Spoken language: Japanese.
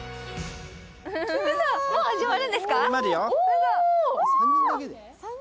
もう始まるんですか？